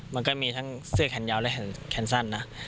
มันก็มีทั้งเสื้อแขนยาวและแขนสั้นนะ